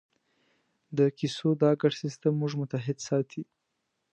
د کیسو دا ګډ سېسټم موږ متحد ساتي.